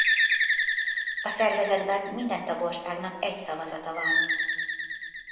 A szervezetben minden tagországnak egy szavazata van.